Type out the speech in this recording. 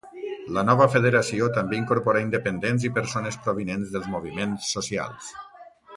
La nova federació també incorpora independents i persones provinents dels moviments socials.